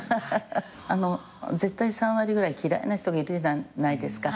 絶対３割ぐらい嫌いな人がいるじゃないですか。